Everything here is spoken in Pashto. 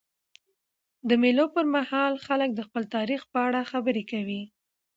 د مېلو پر مهال خلک د خپل تاریخ په اړه خبري کوي.